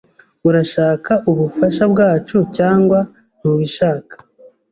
Urashaka ubufasha bwacu cyangwa ntubishaka?